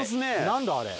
何だあれ。